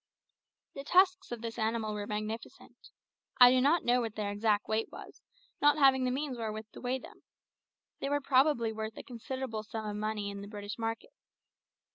The tusks of this animal were magnificent. I do not know what their exact weight was, not having the means wherewith to weigh them. They were probably worth a considerable sum of money in the British market.